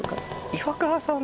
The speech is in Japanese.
イワクラさん